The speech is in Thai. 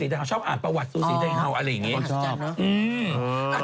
ถูกใจชอบอ่านประหวัดสูสีไทยเฮาส์อะไรอย่างนี้